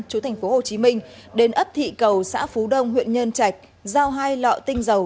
chủ tỉnh hồ chí minh đến ấp thị cầu xã phú đông huyện nhân chạch giao hai lọ tinh dầu